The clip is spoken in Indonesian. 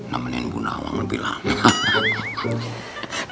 namenin bu nawang lebih lama